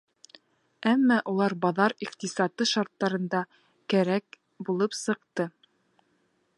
Әммә улар баҙар иҡтисады шарттарында кәрәк булып сыҡты!